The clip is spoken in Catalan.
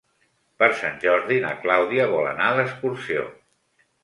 Per Sant Jordi na Clàudia vol anar d'excursió.